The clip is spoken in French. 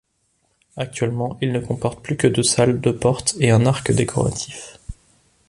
Actuellement, il ne compporte plus que deux salles, deux portes et un arc décoratif.